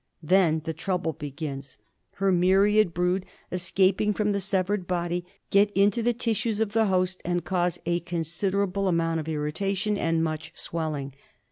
Then the trouble begins. Her myriad brood, escaping 42 GUINEA WORM. from the severed body, get into the tissues of the host and cause a considerable amount of irritation and much swell ing.